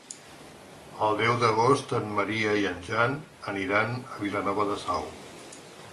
El deu d'agost en Maria i en Jan aniran a Vilanova de Sau.